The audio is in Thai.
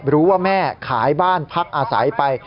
รู้ว่าแม่ขายบ้านพักอาศัยไป